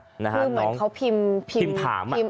คือเหมือนเขาพิมพ์ถาม